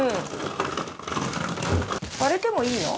割れてもいいの？